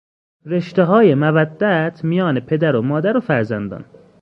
رشتههای مودت میان پدر و مادر و فرزندان